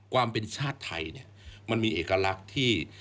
ความเป็นชาติไทยเนี่ยมันมีเอกลักษณ์ที่